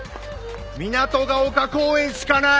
みなとヶ丘公園しかない！